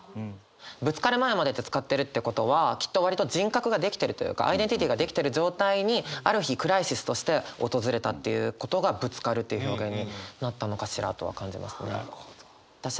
「ぶつかる前まで」って使ってるってことはきっと割と人格ができてるというかアイデンティティーができてる状態にある日クライシスとして訪れたっていうことが「ぶつかる」っていう表現になったのかしらとは感じますね。